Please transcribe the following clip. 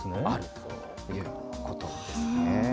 ということですね。